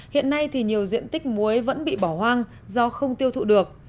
hiện nay thì nhiều diện tích muối vẫn bị bỏ hoang do không tiêu thụ được